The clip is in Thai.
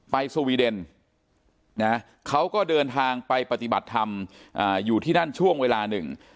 สวีเดนนะเขาก็เดินทางไปปฏิบัติธรรมอยู่ที่นั่นช่วงเวลาหนึ่ง